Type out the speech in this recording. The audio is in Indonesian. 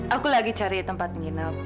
aku lagi cari tempat menginap